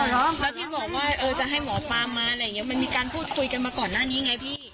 แล้วที่บอกว่าจะให้หมอปลามาอะไรอย่างนี้มันมีการพูดคุยกันมาก่อนหน้านี้ไงพี่